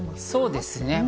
そうですね。